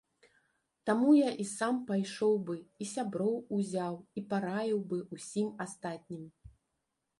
Таму я і сам пайшоў бы, і сяброў узяў і параіў бы ўсім астатнім.